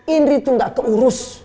indri itu enggak keurus